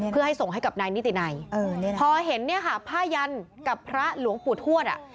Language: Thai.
เพื่อให้ส่งให้กับนายนิตินัยพอเห็นเนี่ยค่ะผ้ายันกับพระหลวงปู่ทวดอ่ะ